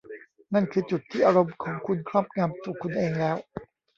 นั่นคือจุดที่อารมณ์ของคุณครอบงำตัวคุณเองแล้ว